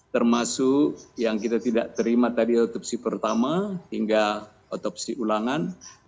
termasuk yang kita tidak terima tadi otopsi pertama hingga otopsi ulangan